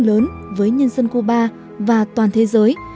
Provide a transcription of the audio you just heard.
nói chuyện lớn với nhân dân cuba và toàn thế giới